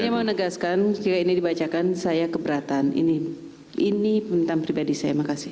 saya mau negaskan jika ini dibacakan saya keberatan ini pembentang pribadi saya makasih